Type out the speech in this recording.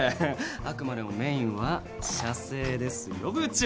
あくまでもメインは写生ですよ部長。